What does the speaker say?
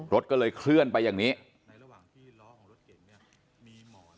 รถก็เลยเคลื่อนไปอย่างนี้